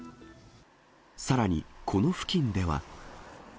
さらに、この付近では。